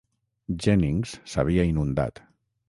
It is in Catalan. Jennings s'havia inundat.